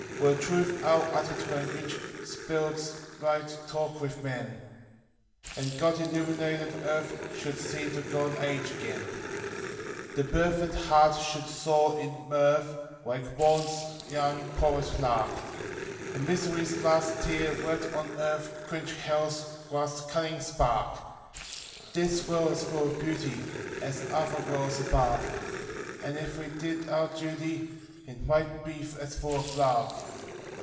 Were truth our uttered language, Spirits might talk with men, And God illumined earth should see the Golden Age again; The burthened heart should soar in mirth like Morn's young prophet lark, And Misery's last tear wept on earth quench Hell's last cunning spark! "This world is full of beauty, as other w >rlds above; And, if we did our duty, it might be as full of love."